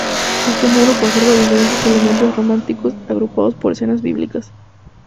Este muro conserva diferentes elementos románicos agrupados por escenas bíblicas.